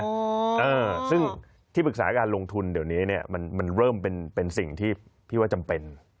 เออซึ่งที่ปรึกษาการลงทุนเดี๋ยวนี้เนี่ยมันเริ่มเป็นสิ่งที่พี่ว่าจำเป็น